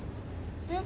えっ。